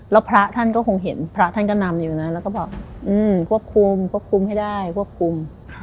แล้วพระท่านก็คงเห็นพระท่านก็นำอยู่นะแล้วก็บอกควบคุมควบคุมให้ได้ควบคุม